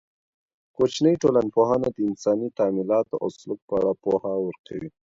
کوچنۍ ټولنپوهنه د انساني تعاملاتو او سلوک په اړه پوهه ورکوي.